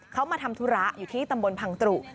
เขามาทำธุระอยู่ที่ตำบลพังตรุ